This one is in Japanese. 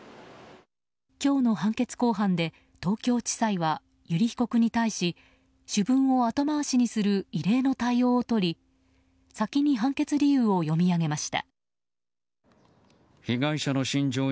今日の判決公判で、東京地裁は油利被告に対し主文を後回しにする異例の対応を取り先に判決理由を読み上げました。